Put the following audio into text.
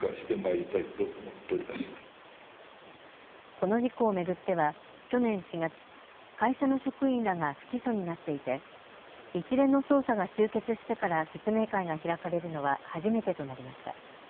この事故を巡っては去年４月、会社の職員らが不起訴になっていて一連の捜査が終結してから説明会が開かれるのは初めてとなりました。